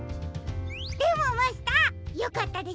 でもマスターよかったですね